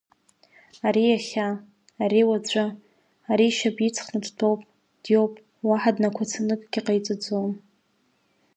Ари иахьа, ари уаҵәы, ари ишьапы иҵхны дтәоуп, диоуп, уаҳа днақәацаны акагьы ҟаиҵаӡом.